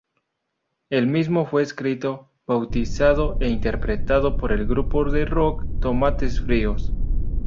El mismo fue escrito, bautizado e interpretado por el grupo de rock Tomates Fritos.